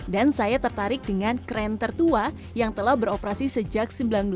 dan saya tertarik dengan kren tertua yang telah beroperasi sejak seribu sembilan ratus delapan belas